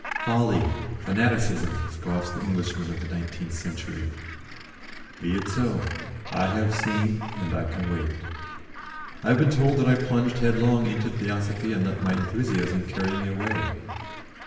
"Folly! fanaticism!" scoffs the Englishman of the nineteenth century. Be it so. I have seen, and I can wait. I have been told that I plunged headlong into Theosophy and let my enthusiasm carry me away.